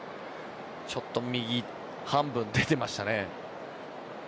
ちょっと右半分出ていましたね。